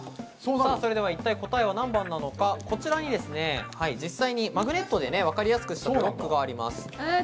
それでは一体、答えは何番なのか、こちらに実際にマグネットでわかりやすくしたブロックがあります。